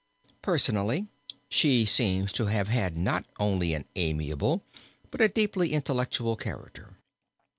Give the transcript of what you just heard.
Personally she seems to have had not only an amiable but a deeply intellectual character.